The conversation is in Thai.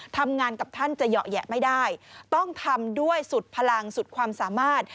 ทำงานกับท่านจะเหยาะแหยะไม่ได้ต้องทำด้วยสุดพลังสุดความสามารถ